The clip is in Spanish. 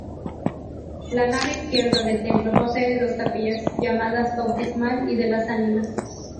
La nave izquierda del templo posee dos capillas, llamadas Bautismal y de las Ánimas.